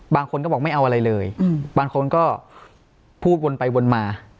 บางคนก็บอกไม่เอาอะไรเลยบางคนก็พูดวนไปวนมา